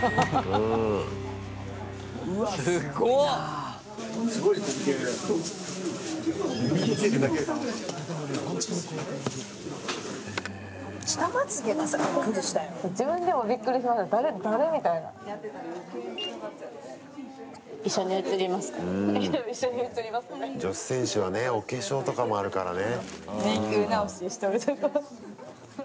うん、女子選手はねお化粧とかもあるからね。